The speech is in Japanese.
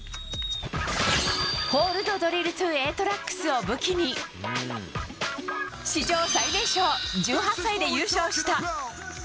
ホールド・ドリル・トゥ・Ａトラックスを武器に史上最年少１８歳で優勝した。